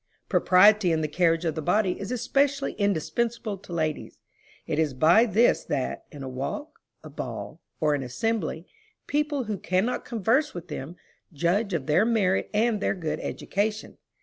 Propriety in the carriage of the body is especially indispensable to ladies. It is by this that, in a walk, a ball, or any assembly, people who cannot converse with them, judge of their merit and their good education.